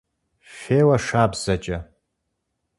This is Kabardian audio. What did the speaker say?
Феуэ шабзэкӏэ!